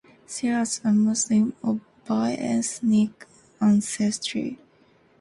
She was a Muslim of Vai ethnic ancestry.